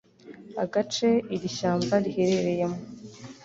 agace iri shyamba riherereyemo